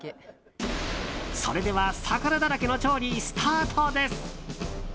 それでは魚だらけの調理スタートです。